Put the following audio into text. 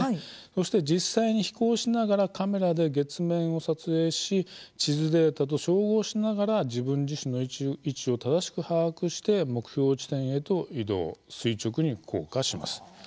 そして、実際に飛行しながらカメラで月面を撮影し地図データと照合しながら自分自身の位置を正しく把握して目標地点へと移動垂直に降下します。